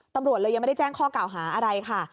ตำรวจเลยยังไม่ได้แจ้งข้อกล่าวหาอะไรค่ะ